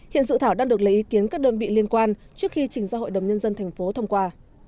hiện dự thảo đang được lấy ý kiến các đơn vị liên quan trước khi trình ra hội đồng nhân dân thành phố thông qua